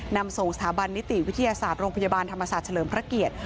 นำส่งสถาบันนิติวิทยาศาสตร์โรงพยาบาลธรรมศาสตร์เฉลิมพระเกียรติ